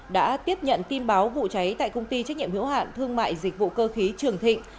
đã tiếp nhận tin báo vụ cháy tại công ty trách nhiệm hữu hạn thương mại dịch vụ cơ khí trường thịnh